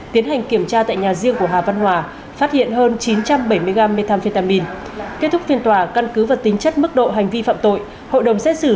tiến hành kiểm tra tại nhà riêng của hà văn hòa phát hiện hơn chín trăm bảy mươi gram methamphetamine